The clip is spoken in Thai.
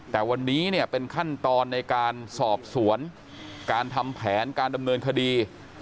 แต่วันนี้เนี่ยเป็นขั้นตอนในการสอบสวนการทำแผนการดำเนินคดี